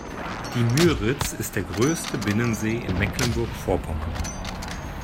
Die Müritz ist der größte Binnensee in Mecklenburg Vorpommern.